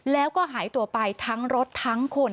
แล้วก็หายตัวไปทั้งรถทั้งคน